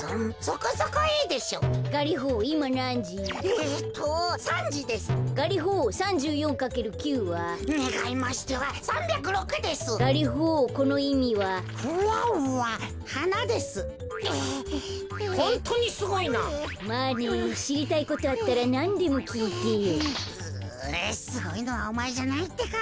こころのこえううすごいのはおまえじゃないってか。